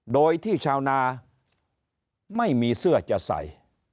โดยที่ชาวนาไม่มีเสื้อจะใส่